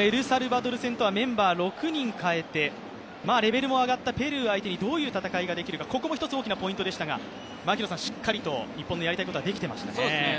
エルサルバドル戦とはメンバーを６人変えてレベルも上がったペルー相手にどういう戦い方ができるか、ここも一つ大きなポイントでしたが槙野さん、しっかりと日本のやりたいことができていましたね。